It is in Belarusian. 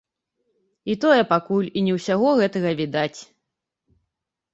І тое, пакуль і не ўсяго гэтага відаць.